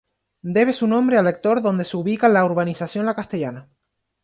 Debe su nombre al sector donde se ubica La Urbanización La Castellana.